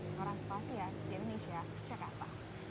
noras pasiar sienesia jakarta